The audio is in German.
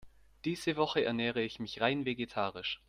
Diese Woche ernähre ich mich rein vegetarisch.